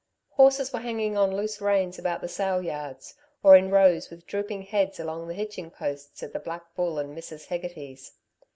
Horses were hanging on loose reins about the sale yards, or in rows with drooping heads along the hitching posts at the Black Bull and Mrs. Hegarty's.